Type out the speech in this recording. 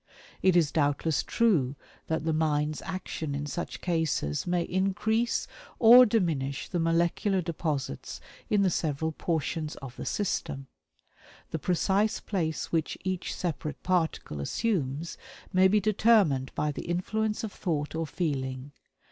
It is doubtless true that the mind's action in such cases may increase or diminish the molecular deposits in the several portions of the system. The precise place which each separate particle assumes may be determined by the influence of thought or feeling.